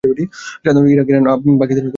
সাধারণত Iraq, Iran, Pakistan ও ভারতে জন্মে থাকে।